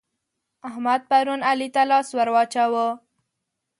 احمد پرون علي ته لاس ور واچاوو.